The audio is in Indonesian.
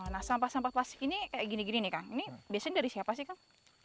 nah sampah sampah plastik ini kayak gini gini nih kang ini biasanya dari siapa sih kang